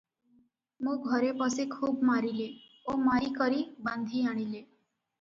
ମୋ ଘରେ ପଶି ଖୁବ୍ ମାରିଲେ ଓ ମାରି କରି ବାନ୍ଧି ଆଣିଲେ ।